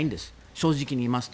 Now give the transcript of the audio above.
正直に言いますと。